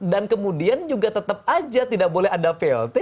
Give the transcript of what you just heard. dan kemudian juga tetap aja tidak boleh ada plt